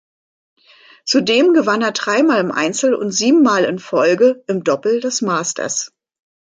Zudem gewann er dreimal im Einzel und siebenmal in Folge im Doppel das Masters.